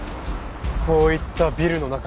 こういったビルの中。